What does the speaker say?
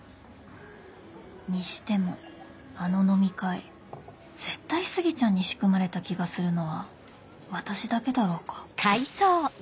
にしてもあの飲み会絶対杉ちゃんに仕組まれた気がするのは私だけだろうか？